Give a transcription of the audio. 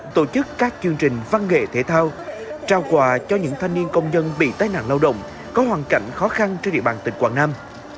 tổ chức các chương trình văn nghệ thể thao trao quà cho những thanh niên công nhân bị tai nạn lao động có hoàn cảnh khó khăn trên địa bàn tỉnh quảng nam